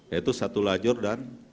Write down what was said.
yaitu satu lajur dan